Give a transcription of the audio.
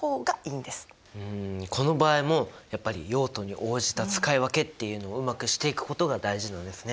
んこの場合もやっぱり用途に応じた使い分けっていうのをうまくしていくことが大事なんですね。